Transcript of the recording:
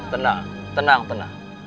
tenang tenang tenang